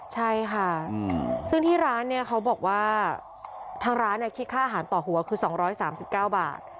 ใช่ค่ะซึ่งที่ร้านเนี่ยเขาบอกว่าทางร้านคิดค่าอาหารต่อหัวคือ๒๓๙บาท